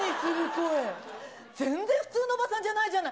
全然普通のおばさんじゃないじゃない。